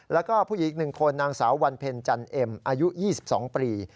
แล้วก็ผู้หญิงอีก๑คนนางสาววันเพ็ญจันเอ็มอายุ๒๒ปี